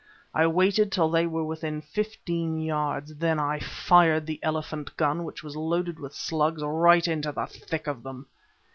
I waited till they were within fifteen yards. Then I fired the elephant gun, which was loaded with slugs, right into the thick of them.